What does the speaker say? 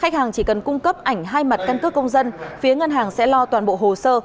khách hàng chỉ cần cung cấp ảnh hai mặt căn cước công dân phía ngân hàng sẽ lo toàn bộ hồ sơ